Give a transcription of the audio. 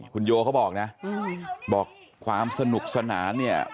คุณโยเขาบอกนะบอกความสนุกสนานเนี่ย